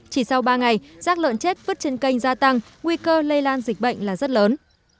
chỉ sau ba ngày rác lợn chết vứt trên kênh gia tăng nguy cơ lây lan dịch bệnh là rất lớn